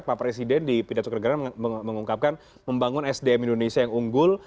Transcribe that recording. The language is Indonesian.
pak presiden di pidato kenegaraan mengungkapkan membangun sdm indonesia yang unggul